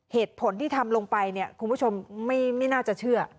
เหตุผลที่ทำลงไปเนี่ยคุณผู้ชมไม่น่าจะเชื่อ